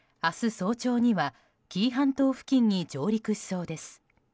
早朝には紀伊半島付近に上陸しそうです。